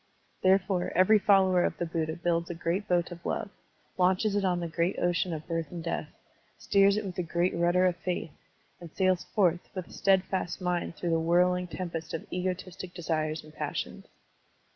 Therefore, every follower of the Buddha builds a great boat of love, latmches it on the great ocean of birth and death, steers it with the great rudder of faith, and sails forth with a steadfast mind through the whirling tem pest of egotistic desires and passions.